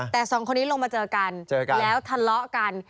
แต่สองคนนี้ลงมาเจอกันเจอกันแล้วทะเลาะกัน